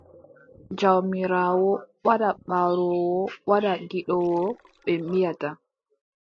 Jawmiraawo wadda baroowo, wadda gidoowo, ɓe mbiʼata.